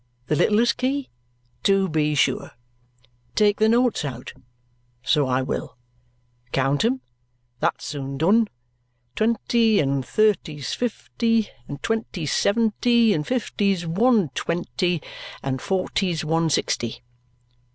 The littlest key? TO be sure. Take the notes out? So I will. Count 'em? That's soon done. Twenty and thirty's fifty, and twenty's seventy, and fifty's one twenty, and forty's one sixty.